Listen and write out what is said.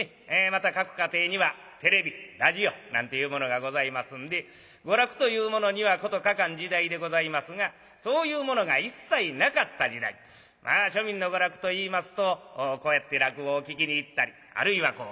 また各家庭にはテレビラジオなんていうものがございますんで娯楽というものには事欠かん時代でございますがそういうものが一切なかった時代庶民の娯楽といいますとこうやって落語を聴きに行ったりあるいは相撲を見に行ったりね。